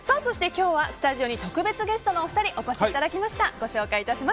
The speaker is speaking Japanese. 今日はスタジオに特別ゲストのお二人お越しいただきました。